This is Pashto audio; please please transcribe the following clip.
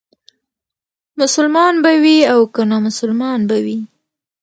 مسلمان به وي او که نامسلمان به وي.